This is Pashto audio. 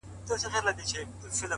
زه وايم راسه شعر به وليكو!